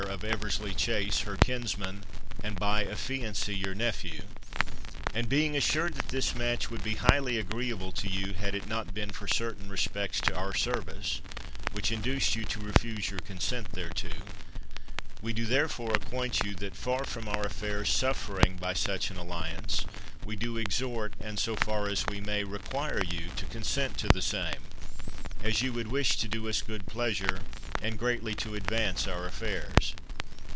of Eversly Chase, her kinsman, and by affiancy your nephew: And being assured that this match would be highly agreeable to you, had it not been for certain respects to our service, which induced you to refuse your consent thereto—We do therefore acquaint you, that, far from our affairs suffering by such an alliance, we do exhort, and so far as we may, require you to consent to the same, as you would wish to do us good pleasure, and greatly to advance our affairs.